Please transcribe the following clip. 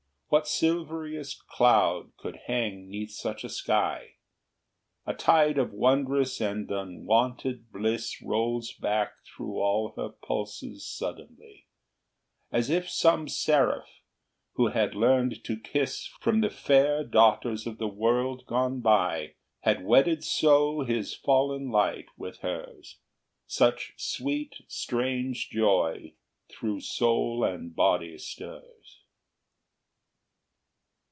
What silveriest cloud could hang 'neath such a sky? A tide of wondrous and unwonted bliss Rolls back through all her pulses suddenly, As if some seraph, who had learned to kiss From the fair daughters of the world gone by, Had wedded so his fallen light with hers, Such sweet, strange joy through soul and body stirs.